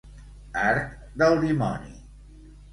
Arc del dimoni.